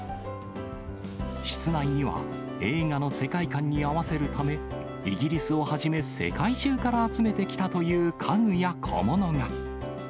室内には、映画の世界観に合わせるため、イギリスをはじめ、世界中から集めてきたという家具や小物が。